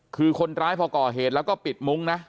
คือคนร้ายพอก่อเหตุแล้วก็ปิดมุ้งนะ